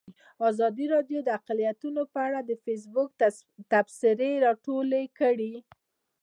ازادي راډیو د اقلیتونه په اړه د فیسبوک تبصرې راټولې کړي.